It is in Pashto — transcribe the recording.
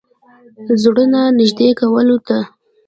زړونو نېږدې کولو ته.